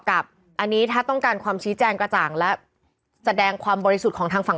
กับอันนี้ถ้าต้องการความชี้แจงกระจ่างและแสดงความบริสุทธิ์ของทางฝั่ง